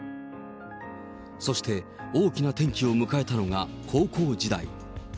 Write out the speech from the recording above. そして大きな転機を迎えたのが高校時代。